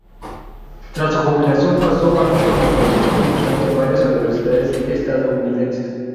Tras su jubilación pasó años como profesor visitante en varias universidades estadounidenses.